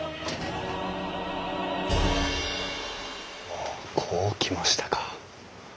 ほうこう来ましたか。